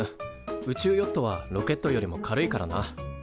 宇宙ヨットはロケットよりも軽いからな。